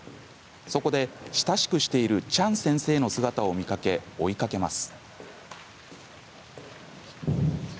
そこで親しくしているチャン先生の姿を見かけ追いかけます。